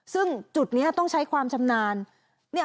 ซึ่งจุดนี้ต้องใช้ความชำนาญ